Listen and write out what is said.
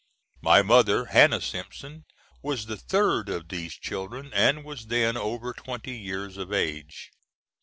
My mother, Hannah Simpson, was the third of these children, and was then over twenty years of age.